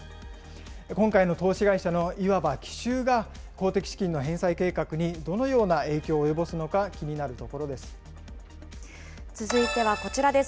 今回の投資会社のいわば奇襲が、公的資金の返済計画にどのような影響を及ぼすのか気になるところ続いてはこちらです。